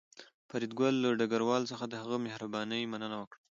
فریدګل له ډګروال څخه د هغه د مهربانۍ مننه وکړه